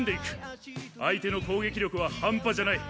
相手の攻撃力は半端じゃない。